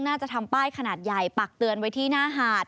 น่าจะทำป้ายขนาดใหญ่ปักเตือนไว้ที่หน้าหาด